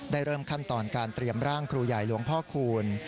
เริ่มขั้นตอนการเตรียมร่างครูใหญ่หลวงพ่อคูณ